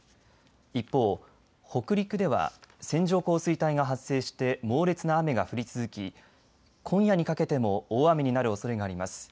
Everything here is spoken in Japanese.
一方、北陸では線状降水帯が発生して猛烈な雨が降り続き今夜にかけても大雨になるおそれがあります。